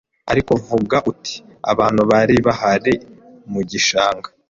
Ariko vuga uti Abantu bari bahari mugishanga